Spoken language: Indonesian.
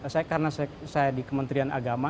saya karena saya di kementerian agama